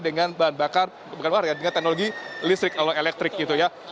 dengan bahan bakar dengan teknologi listrik elektrik gitu ya